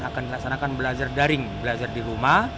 akan dilaksanakan belajar daring belajar di rumah